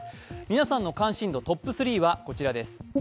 皆さんの関心度トップ３はこちらです。